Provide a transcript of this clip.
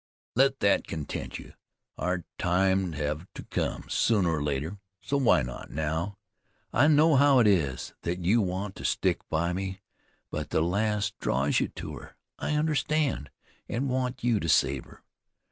Let thet content you. Our time'd have to come, sooner or later, so why not now? I know how it is, that you want to stick by me; but the lass draws you to her. I understand, an' want you to save her.